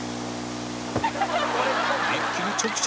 一気に直進